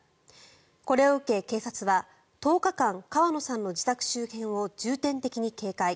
これを受け、警察は１０日間、川野さんの周辺を重点的に警戒。